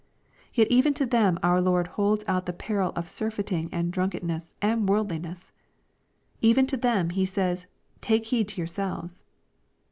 Yet even to them our Lord holds out the peril of surfeiting, and drunkenness, and worldliness I Even to them He says, *^ Take heed to yourselves."